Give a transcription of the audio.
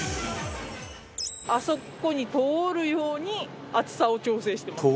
あそこに通るように厚さを調整してます。